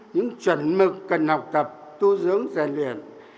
những chuẩn mực cần học tập tu dưỡng rèn luyện